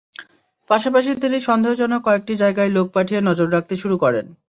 পাশাপাশি তিনি সন্দেহজনক কয়েকটি জায়গায় লোক পাঠিয়ে নজর রাখতে শুরু করেন।